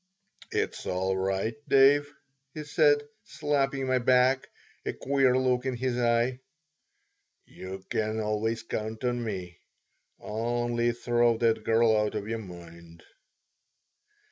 "It's all right, Dave," he said, slapping my back, a queer look in his eye. "You can always count on me. Only throw that girl out of your mind."